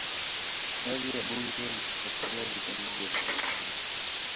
Kazi ya bunge ni kufuatilia vitendo vya serikali.